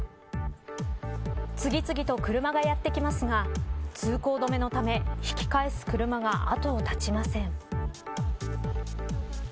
次々と車がやってきますが通行止めのため引き返す車が後を絶ちません。